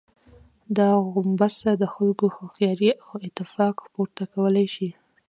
دا غومبسه د خلکو هوښياري او اتفاق، پورته کولای شي.